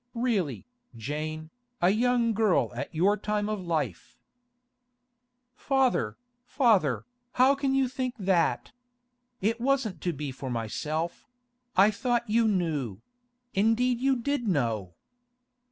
Really, Jane, a young girl at your time of life—' 'Father, father, how can you think that? It wasn't to be for myself; I thought you knew; indeed you did know!